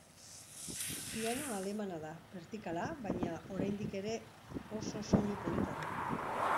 Piano alemana da, bertikala, baina oraindik ere oso soinu polita du.